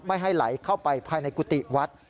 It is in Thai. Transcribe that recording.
ไม่ให้ไหลเข้าไปภายในกุฏิวัด